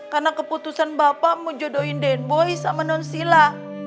karena keputusan bapak mau jodohin den boy sama nonsila